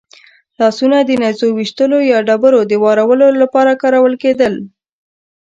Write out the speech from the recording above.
لاسونه د نېزو ویشتلو یا ډبرو د وارولو لپاره کارول کېدل.